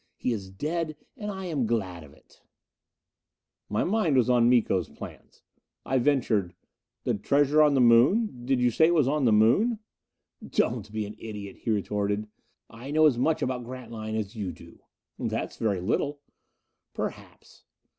He is dead, and I am glad of it." My mind was on Miko's plans. I ventured. "This treasure on the Moon did you say it was on the Moon?" "Don't be an idiot," he retorted. "I know as much about Grantline as you do." "That's very little." "Perhaps."